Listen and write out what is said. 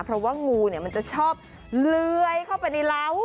เพราะว่างูมันจะชอบเลื่อยเข้าไปในเล้า